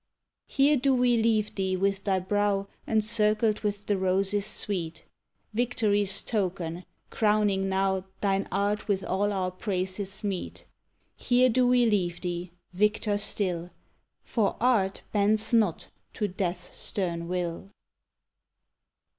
Here do we leave thee with thy brow Encircled with the roses sweet; Victory's token, crowning now Thine art with all our praises meet; Here do we leave thee, victor still, For Art bends not to Death's stern will!